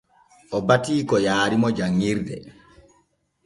O bati ko yaarimo janŋirde.